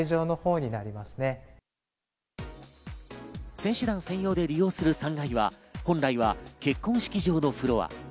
選手団専用で利用する３階には本来は結婚式場のフロア。